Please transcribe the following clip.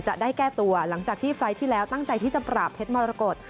จะได้แก้ตัวหลังจากที่ไฟล์ที่แล้วตั้งใจที่จะปราบเพชรมรกฏ